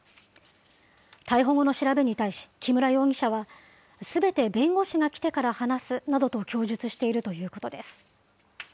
逮捕後の調べに対し、木村容疑者は、すべて弁護士が来てから話すなどと供述しているということです。